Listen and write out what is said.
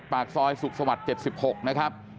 ปากซอยสุขมัดเจ็ดสิบหกนะครับ